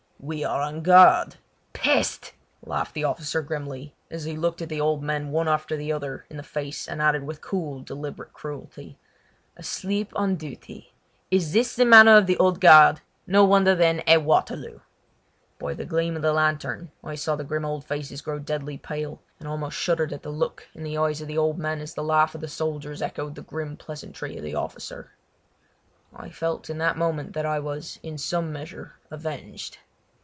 "We are on guard!" "Peste!" laughed the officer grimly, as he looked at the old men one after the other in the face and added with cool deliberate cruelty: "Asleep on duty! Is this the manner of the Old Guard? No wonder, then, a Waterloo!" By the gleam of the lantern I saw the grim old faces grow deadly pale, and almost shuddered at the look in the eyes of the old men as the laugh of the soldiers echoed the grim pleasantry of the officer. I felt in that moment that I was in some measure avenged.